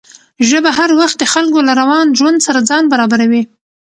ژبه هر وخت د خلکو له روان ژوند سره ځان برابروي.